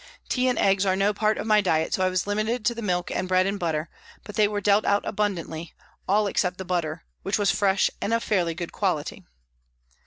Tea and eggs are no part of my diet, so I was limited to the milk and bread and butter, but they were dealt out abundantly, all except the butter, which was fresh and of fairly good quality.